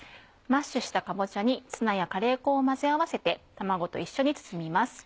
マッシュしたかぼちゃにツナやカレー粉を混ぜ合わせて卵と一緒に包みます。